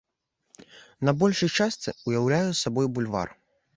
На большай частцы ўяўляе сабой бульвар.